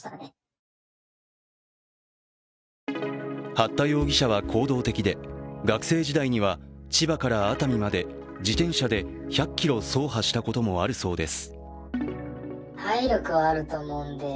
八田容疑者は行動的で、学生時代には千葉から熱海まで自転車で１００ｋｍ走破したこともあるそうです。